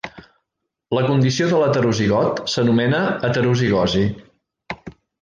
La condició de l'heterozigot s'anomena heterozigosi.